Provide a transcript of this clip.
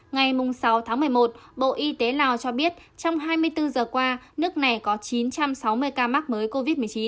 ngày sáu tháng một mươi một bộ y tế lào cho biết trong hai mươi bốn giờ qua nước này có chín trăm sáu mươi ca mắc mới covid một mươi chín